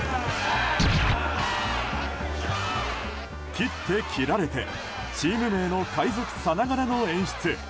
切って切られてチーム名の海賊さながらの演出。